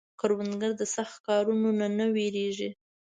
کروندګر د سخت کارونو نه نه وېرېږي